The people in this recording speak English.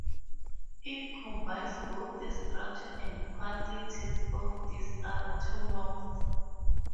It combines both the structure and qualities of these other two knots.